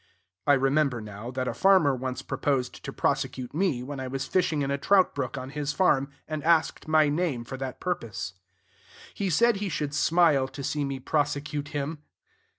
(I remember, now, that a farmer once proposed to prosecute me when I was fishing in a trout brook on his farm, and asked my name for that purpose.) He said he should smile to see me prosecute him.